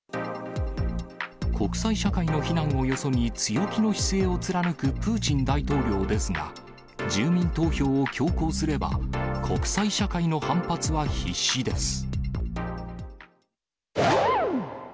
国際社会の非難をよそに強気の姿勢を貫くプーチン大統領ですが、住民投票を強行すれば、国際社会の反発は必至です。